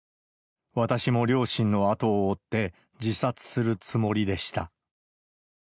私も両親の後を追って、自殺するつもりでした。